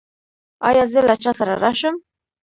ایا زه له چا سره راشم؟